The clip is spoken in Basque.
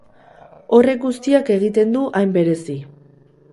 Horrek guztiak egiten du hain berezi.